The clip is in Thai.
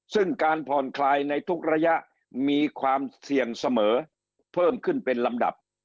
ซึ่งการผ่อนคลายในทุกระยะมีความเสี่ยงเสมอเพิ่มขึ้นเป็นลำดับ